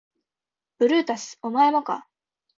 ブルータスお前もか